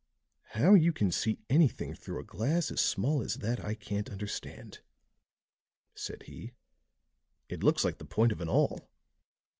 "How you can see anything through a glass as small as that I can't understand," said he. "It looks like the point of an awl."